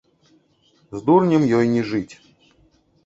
З дурнем ёй не жыць.